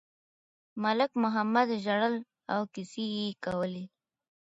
ملک محمد ژړل او کیسې یې کولې.